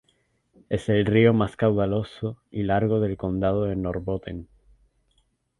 Es el río más caudaloso y largo del condado de Norrbotten.